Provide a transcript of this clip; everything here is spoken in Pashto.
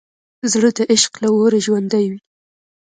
زړه د عشق له اوره ژوندی وي.